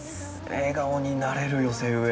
笑顔になれる寄せ植え。